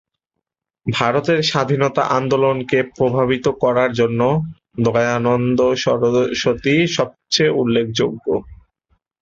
ভারতের স্বাধীনতা আন্দোলনকে প্রভাবিত করার জন্য দয়ানন্দ সরস্বতী সবচেয়ে উল্লেখযোগ্য।